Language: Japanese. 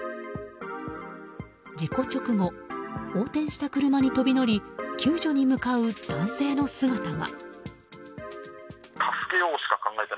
事故直後、横転した車に飛び乗り救助に向かう男性の姿が。